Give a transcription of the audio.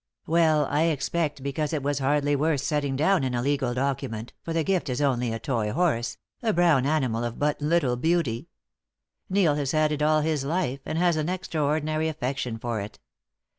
"Well, I expect because it was hardly worth setting down in a legal document, for the gift is only a toy horse, a brown animal of but little beauty. Neil has had it all his life, and has an extraordinary affection for it.